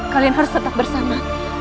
kalian harus tetap bersama